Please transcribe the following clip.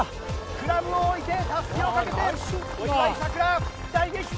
クラブを置いてタスキをかけて小祝さくら大激走！